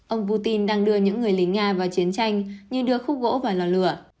ông putin đang đưa những người lính nga vào chiến tranh như đưa khúc gỗ vào lò lửa